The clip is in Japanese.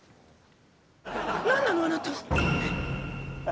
なんなのあなた。